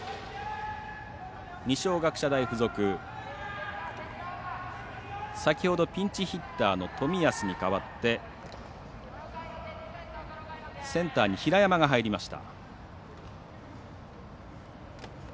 二松学舎大付属先ほどピンチヒッターの冨安に代わってセンターに平山が入りました。